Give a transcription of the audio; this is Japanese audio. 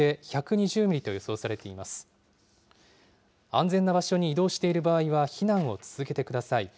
安全な場所に移動している場合は避難を続けてください。